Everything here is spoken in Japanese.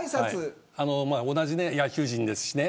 同じ野球人ですし。